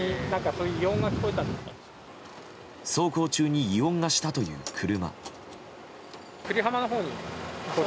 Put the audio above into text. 走行中に異音がしたという車。